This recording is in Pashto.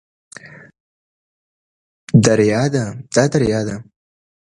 دا ریا ده.